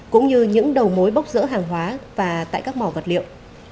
cũng như những đầu mối bốc giữa hàng hóa và tại các mò vật liệu